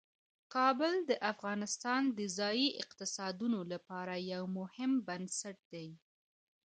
کابل د افغانستان د ځایي اقتصادونو لپاره یو مهم بنسټ دی.